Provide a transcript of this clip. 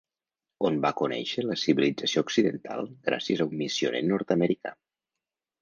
On va conèixer la civilització occidental gràcies a un missioner nord-americà.